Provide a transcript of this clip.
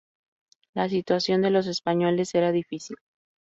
La situación de los españoles era difícil.